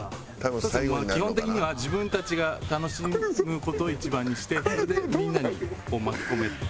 基本的には自分たちが楽しむ事を一番にしてみんなに巻き込めて。